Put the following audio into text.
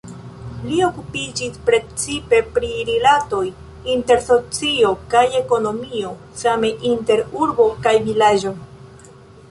Li okupiĝis precipe pri rilatoj inter socio kaj ekonomio, same inter urbo kaj vilaĝo.